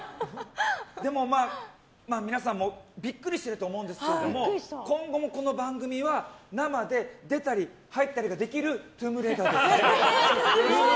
でも、皆さんもビックリしてると思うんですけど今後もこの番組は生で出たり、入ったりができるトゥームレイダーです。